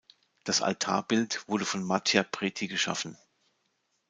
Das Altarbild wurde von Mattia Preti geschaffen.